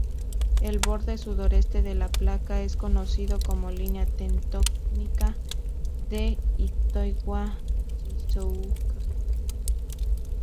El borde sudoeste de la placa es conocido como Línea Tectónica de Itoigawa-Shizuoka.